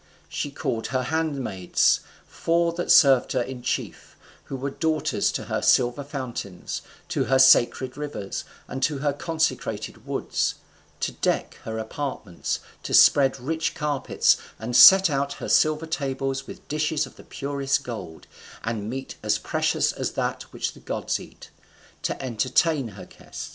She called her handmaids, four that served her in chief, who were daughters to her silver fountains, to her sacred rivers, and to her consecrated woods, to deck her apartments, to spread rich carpets, and set out her silver tables with dishes of the purest gold, and meat as precious as that which the gods eat, to entertain her guest.